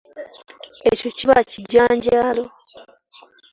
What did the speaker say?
Ekyo kiba kijanjaalo.